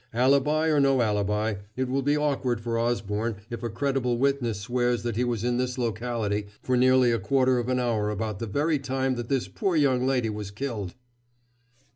Alibi or no alibi, it will be awkward for Osborne if a credible witness swears that he was in this locality for nearly a quarter of an hour about the very time that this poor young lady was killed."